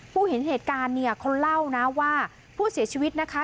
เห็นเหตุการณ์เนี่ยเขาเล่านะว่าผู้เสียชีวิตนะคะ